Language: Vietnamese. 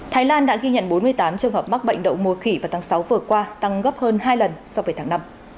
thái lan đã ghi nhận bốn mươi tám trường hợp mắc bệnh đậu mùa khỉ vào tháng sáu vừa qua tăng gấp hơn hai lần so với tháng năm